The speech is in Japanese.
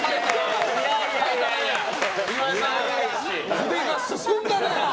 筆が進んだな！